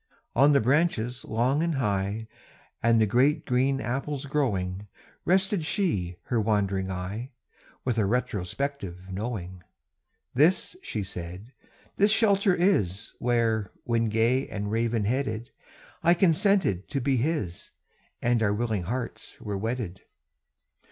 On the branches long and high, And the great green apples growing, Rested she her wandering eye, With a retrospective knowing. "This," she said, "the shelter is, Where, when gay and raven headed, I consented to be his, And our willing hearts were wedded.